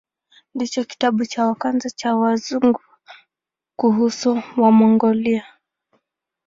Ndicho kitabu cha kwanza cha Wazungu kuhusu Wamongolia.